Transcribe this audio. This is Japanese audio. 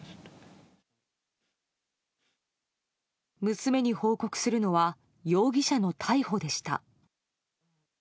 娘に報告するのは容疑者の逮捕でした。